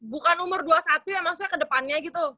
bukan umur dua puluh satu ya maksudnya ke depannya gitu